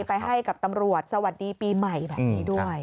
ไปให้กับตำรวจสวัสดีปีใหม่แบบนี้ด้วย